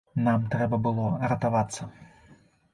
Нам трэба было ратавацца.